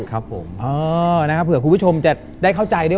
ครับผมนะครับเผื่อคุณผู้ชมจะได้เข้าใจด้วย